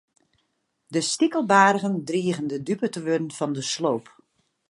De stikelbargen drigen de dupe te wurden fan de sloop.